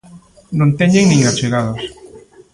Non teñen nin achegados.